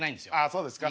あそうですか。